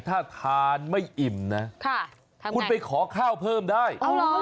ถ้าทานไม่อิ่มนะคุณไปขอข้าวเพิ่มได้